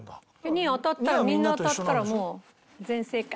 ２位当たったらみんな当たったらもう全正解。